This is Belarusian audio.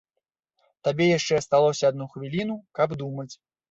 Табе яшчэ асталося адну хвіліну, каб думаць.